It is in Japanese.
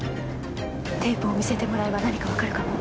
テープを見せてもらえば何かわかるかも。